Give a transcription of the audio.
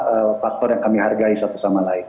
orang yang kami hargai satu sama lain